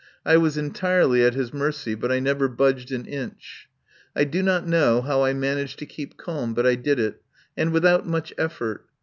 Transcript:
I was entirely at his mercy, but I never budged an inch. I do not know how I managed to keep calm, but I did it, and without much effort.